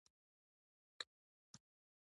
عصري تعلیم مهم دی ځکه چې مجازی واقعیت کاروي.